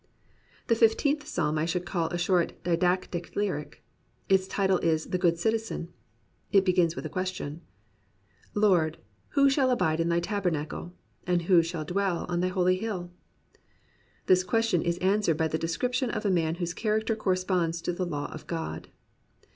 The Fifteenth Psalm I should call a short didactic lyric. Its title is The Good Citizen, It begins with a question: Lord, who shall abide in thy tabernacle? Who shall dwell in thy holy hill ? This question is answered by the description of a man whose character corresponds to the law of God.